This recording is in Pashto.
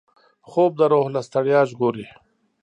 خوب د روح له ستړیا ژغوري